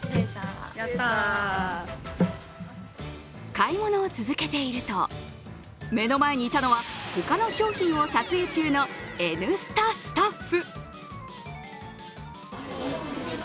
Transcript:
買い物を続けていると目の前にいたのは他の商品を撮影中の「Ｎスタ」スタッフ。